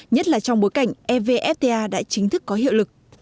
nhất là trong bối cảnh evfta đã chính thức có hiệu lực